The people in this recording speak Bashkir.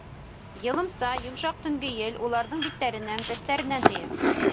Йылымса, йомшаҡ төнгө ел уларҙың биттәренән, сәстәренән һөйә.